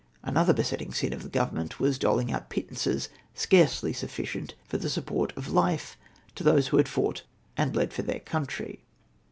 Another besetting sin of the Government was doling out pittances scarcely sufficient for the support of life to those who had fought and bled for their country.